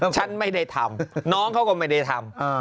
ฉันไม่ได้ทำน้องเขาก็ไม่ได้ทำ